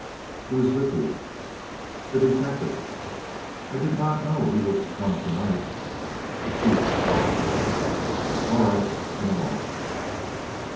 "Who is with you?" "The detective." "I did not know he was to come to night." "The chief thought it better." "All right in a moment."